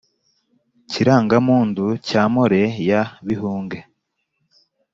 kiranga mpundu cya mpore ya bihunge